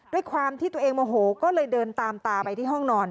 ด้วยความที่ตัวเองโมโหก็เลยเดินตามตาไปที่ห้องนอน